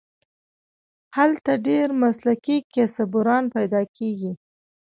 هلته ډېر مسلکي کیسه بُران پیدا کېږي.